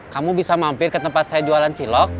kamu bisa mampir ke tempat saya jualan cilok